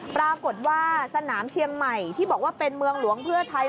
ปรากฏว่าสนามเชียงใหม่ที่บอกว่าเป็นเมืองหลวงเพื่อไทย